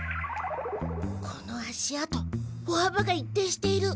この足跡歩幅が一定している。